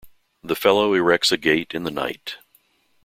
The fellow erects a gate in the night.